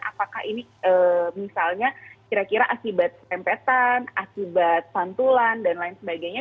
apakah ini misalnya kira kira akibat sempetan akibat pantulan dan lain sebagainya